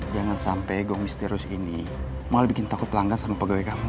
jangan sampai gong misterius ini mal bikin takut pelanggan sama pegawai kamu